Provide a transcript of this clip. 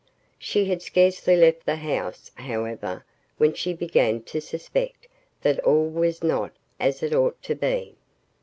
She had scarcely left the house, however, when she began to suspect that all was not as it ought to be.